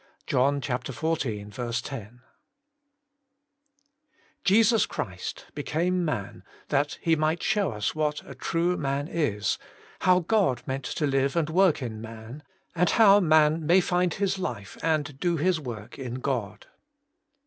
— John xiv. 10. T ESUS CHRIST became man that He ^ might show us what a true man is, how God meant to Hve and work in man, and how man may find his life and do his work in God.